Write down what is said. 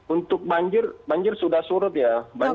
untuk banjir banjir sudah surut ya